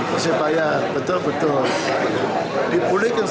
persebaya betul betul dipulihkan